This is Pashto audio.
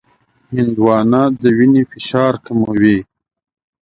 هندوانه د وینې فشار کموي.